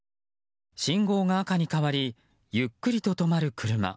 信号が赤に変わりゆっくりと止まる車。